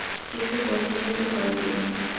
কিছু বলতে চাইলে কল দিও।